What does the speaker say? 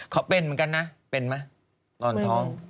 เขาเป็นเหมือนกันนะเป็นไหมนอนท้อง